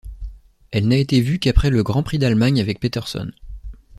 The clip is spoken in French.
Elle n'a été vu qu'après le Grand Prix d'Allemagne avec Peterson.